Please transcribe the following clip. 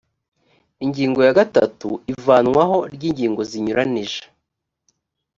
ingingo ya gatatu ivanwaho ry ingingo zinyuranije